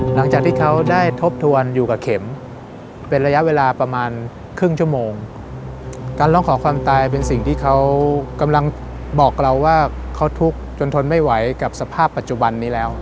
หลังจากที่เขาได้ทบทวนอยู่กับเข็มเป็นระยะเวลาประมาณครึ่งชั่วโมงการร้องขอความตายเป็นสิ่งที่เขากำลังบอกเราว่าเขาทุกข์จนทนไม่ไหวกับสภาพปัจจุบันนี้แล้ว